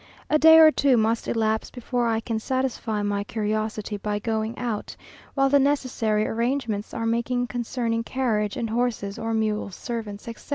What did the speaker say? A day or two must elapse before I can satisfy my curiosity by going out, while the necessary arrangements are making concerning carriage and horses, or mules, servants, etc.